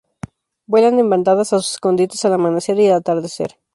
Vuelan en bandadas a sus escondites al amanecer y al atardecer.